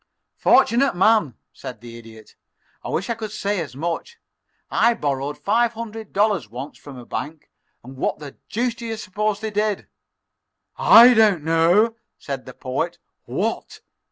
"Fortunate man," said the Idiot. "I wish I could say as much. I borrowed five hundred dollars once from a bank, and what the deuce do you suppose they did?" "I don't know," said the Poet. "What?"